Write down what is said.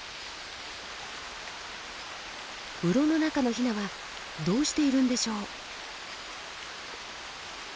うろの中のヒナはどうしているんでしょう？